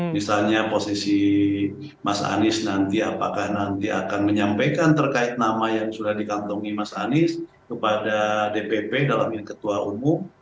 misalnya posisi mas anies nanti apakah nanti akan menyampaikan terkait nama yang sudah dikantongi mas anies kepada dpp dalam ini ketua umum